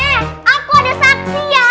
eh aku ada saksi ya